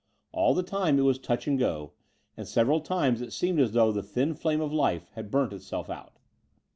All the time it was touch and go; and several times it seemed as though the thin flame of life had burnt itself out.